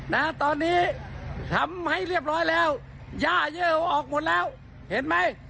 นะตอนนี้ทำให้เรียบร้อยแล้วย่าเยอะออกหมดแล้วเห็นไหม